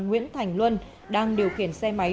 nguyễn thành luân đang điều khiển xe máy